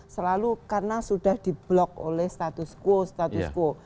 selalu karena sudah di blok oleh status quo status quo